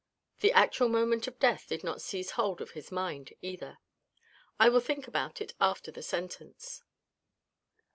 The actual moment of death did not seize hold of his mind either. " I will think about it after the sentence."